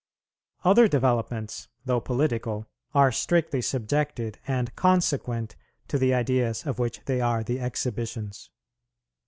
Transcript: Other developments, though political, are strictly subjected and consequent to the ideas of which they are the exhibitions.